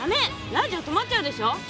ラジオ止まっちゃうでしょ！